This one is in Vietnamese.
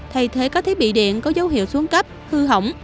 thay thế các thiết bị điện có dấu hiệu xuống cấp hư hỏng